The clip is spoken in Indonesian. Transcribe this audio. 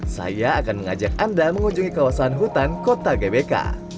saya akan mengajak anda mengunjungi kawasan hutan kota gbk